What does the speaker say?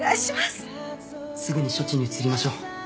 すぐに処置に移りましょう。